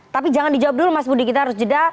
tapi jangan dijawab dulu mas budi kita harus jeda